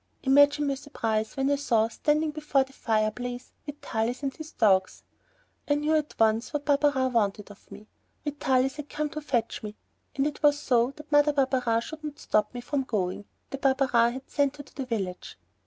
Imagine my surprise when I saw, standing before the fireplace, Vitalis and his dogs. I knew at once what Barberin wanted of me. Vitalis had come to fetch me and it was so that Mother Barberin should not stop me from going that Barberin had sent her to the village.